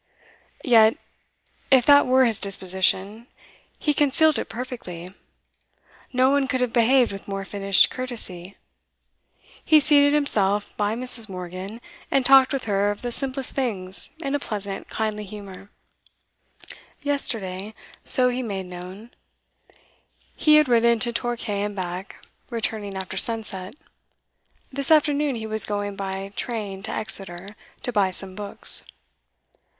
Yet, if that were his disposition, he concealed it perfectly; no one could have behaved with more finished courtesy. He seated himself by Mrs. Morgan, and talked with her of the simplest things in a pleasant, kindly humour. Yesterday, so he made known, he had ridden to Torquay and back, returning after sunset. This afternoon he was going by train to Exeter, to buy some books.